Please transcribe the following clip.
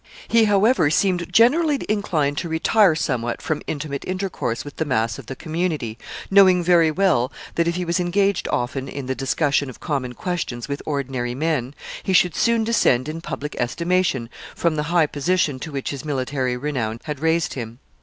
He, however, seemed generally inclined to retire somewhat from intimate intercourse with the mass of the community, knowing very well that if he was engaged often in the discussion of common questions with ordinary men, he should soon descend in public estimation from the high position to which his military renown had raised him.